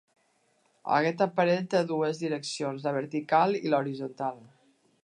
Aquest aparell té dues direccions, la vertical i l'horitzontal.